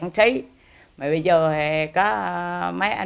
một xí mà bây giờ